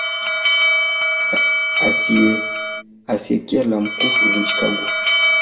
Asiyekia la Mkuu Huvunyika Guu